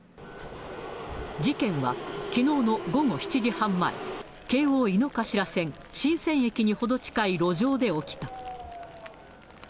事件はきのうの午後７時半前、京王井の頭線神泉駅に程近い路上で起きた。